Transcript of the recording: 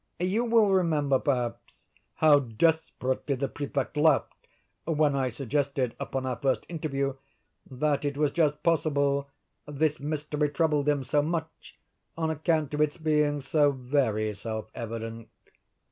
You will remember, perhaps, how desperately the Prefect laughed when I suggested, upon our first interview, that it was just possible this mystery troubled him so much on account of its being so very self evident."